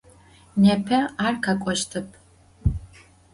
Nêpe ar khek'oştep.